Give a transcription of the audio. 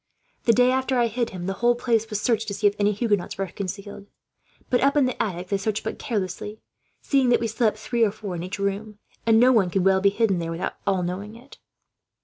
"'The day after I hid him, the whole palace was searched to see if any Huguenots were concealed. But up in the attics they searched but carelessly, seeing that we slept three or four in each room, and no one could well be hidden there without all knowing it.